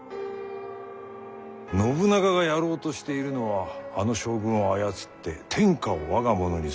信長がやろうとしているのはあの将軍を操って天下を我が物にすること。